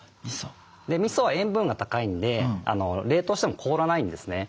みそは塩分が高いんで冷凍しても凍らないんですね。